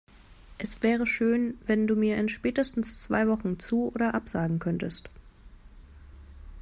Es wäre schön, wenn du mir in spätestens zwei Wochen zu- oder absagen könntest.